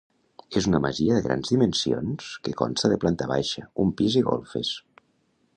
És una masia de grans dimensions que consta de planta baixa, un pis i golfes.